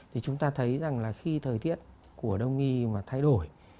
thì chúng ta thấy rằng là khi thời tiết của đông y mà thay đổi